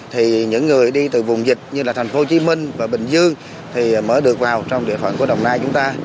thì những người đi từ vùng dịch như là thành phố hồ chí minh và bình dương thì mới được vào trong địa phận của đồng nai chúng ta